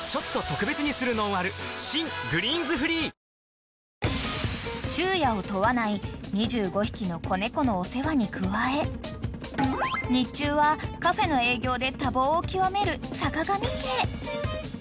新「グリーンズフリー」［昼夜を問わない２５匹の子猫のお世話に加え日中はカフェの営業で多忙を極めるさかがみ家］